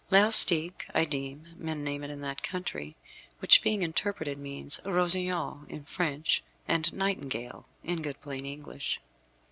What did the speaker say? Laustic, I deem, men name it in that country, which, being interpreted, means rossignol in French, and nightingale in good plain English.